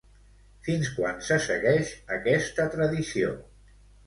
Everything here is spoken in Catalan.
Fins quan se segueix aquesta tradició?